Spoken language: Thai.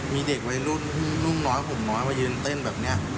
มีเด็กวัยลูกน้ำนะหูน้้อยน้อยไปเย็นเต้นแบบเนี่ย